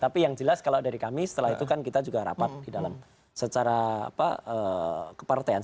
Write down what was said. tapi yang jelas kalau dari kami setelah itu kan kita juga rapat di dalam secara kepartean